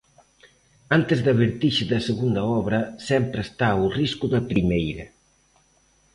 Antes da vertixe da segunda obra sempre está o risco da primeira.